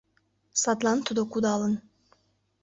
Садлан тудо кудалын.